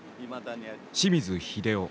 清水秀雄。